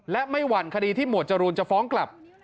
และไม่หวั่นคดีที่หมวดจรูนจะฟ้องกลับ